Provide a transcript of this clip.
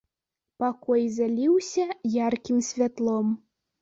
Пакой заліўся яркім святлом.